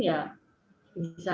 kalau sampai nggak mendapatkan rujukan